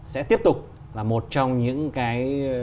sẽ tiếp tục là một trong những cái